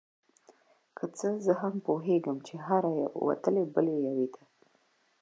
که څه هم زه پوهیدم چې هره یوه وتلې بلې یوې ته